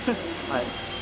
はい。